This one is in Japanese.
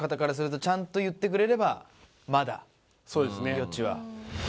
余地は。